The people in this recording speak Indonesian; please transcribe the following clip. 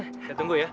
saya tunggu ya